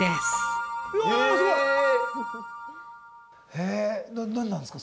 へえ何なんですか？